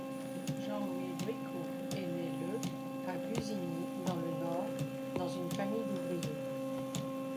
Jean-Louis Bricout est né le à Busigny dans le Nord dans une famille d'ouvrier.